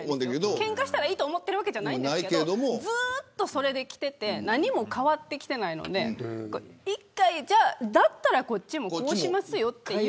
けんかしたらいいと思ってるわけじゃないですがずっとそれできていて何も変わっていないので１回、だったらこっちもこうしますという。